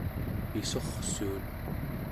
pissurrsuun